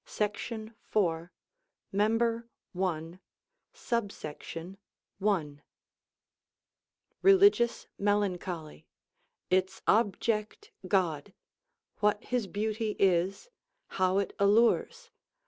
SECT. IV. MEMB. I. SUBSECT. I.—_Religious Melancholy. Its object God; what his beauty is; How it allures.